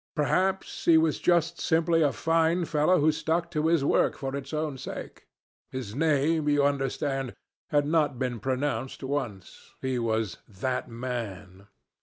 Perhaps he was just simply a fine fellow who stuck to his work for its own sake. His name, you understand, had not been pronounced once. He was 'that man.'